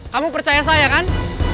kamu percaya saya kan